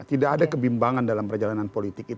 tidak ada kebimbangan dalam perjalanan politik itu